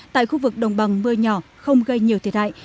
tại khu vực đồng bằng mưa nhỏ không gây nhiều thiệt hại